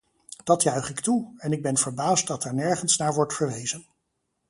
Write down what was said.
Dat juich ik toe, en ik ben verbaasd dat daar nergens naar wordt verwezen.